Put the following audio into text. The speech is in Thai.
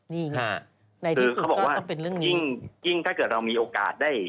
นี่ฮะในที่สุดก็ต้องเป็นเรื่องนี้ยิ่งยิ่งถ้าเกิดเรามีโอกาสได้